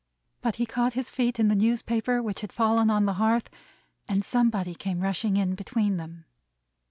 But he caught his feet in the newspaper, which had fallen on the hearth, and somebody came rushing in between them.